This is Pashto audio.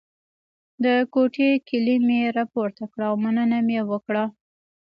د کوټې کیلي مې راپورته کړه او مننه مې وکړه.